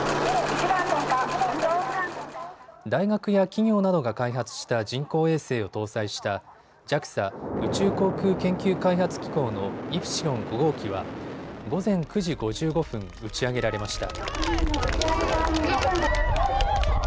大学や企業などが開発した人工衛星を搭載したＪＡＸＡ・宇宙航空研究開発機構のイプシロン５号機は午前９時５５分、打ち上げられました。